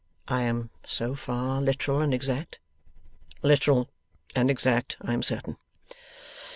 I am so far literal and exact? Literal and exact, I am certain.